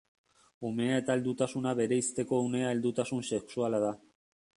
Umea eta heldutasuna bereizteko unea heldutasun sexuala da.